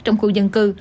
trong khu dân cư